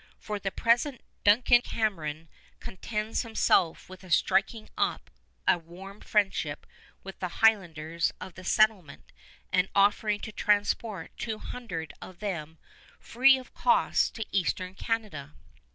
For the present Duncan Cameron contents himself with striking up a warm friendship with the Highlanders of the settlement and offering to transport two hundred of them free of cost to Eastern Canada.